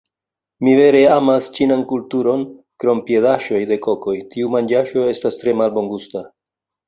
Mi vere amas ĉinan kulturon krom piedaĵoj de kokoj tiu manĝaĵo estas tre malbongusta